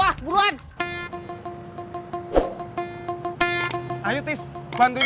aja itu haribut ray